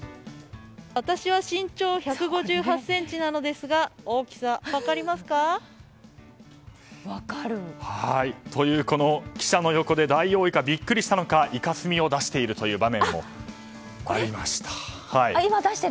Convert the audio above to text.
私は身長１５８ｃｍなのですが大きさ、分かりますか？という、記者の横でビックリしたのかイカスミを出しているという場面もありました。